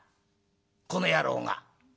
この野郎が？